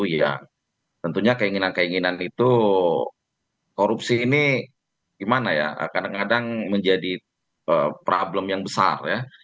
ya tentunya keinginan keinginan itu korupsi ini gimana ya kadang kadang menjadi problem yang besar ya